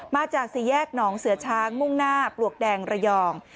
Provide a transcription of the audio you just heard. มาจากสี่แยกหนองเสือช้างมุ่งหน้าปลวกแดงระยอง